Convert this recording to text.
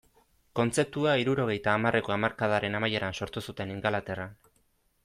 Kontzeptua hirurogeita hamarreko hamarkadaren amaieran sortu zuten Ingalaterran.